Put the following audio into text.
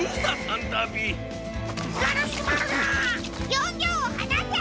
ギョンギョンをはなせ！